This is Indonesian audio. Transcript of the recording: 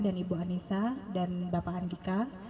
dan ibu anissa dan bapak andika